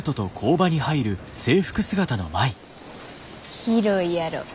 広いやろ？